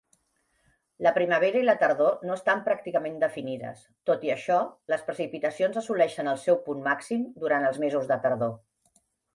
La primavera i la tardor no estan pràcticament definides; tot i això, les precipitacions assoleixen el seu punt màxim durant els mesos de tardor.